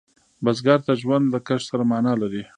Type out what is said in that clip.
بزګر ته ژوند له کښت سره معنا لري